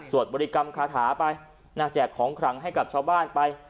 บริกรรมคาถาไปแจกของขลังให้กับชาวบ้านไป